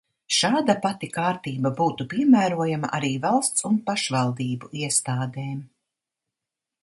Šāda pati kārtība būtu piemērojama arī valsts un pašvaldību iestādēm.